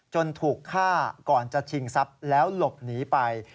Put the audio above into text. ถูกฆ่าก่อนจะชิงทรัพย์แล้วหลบหนีไป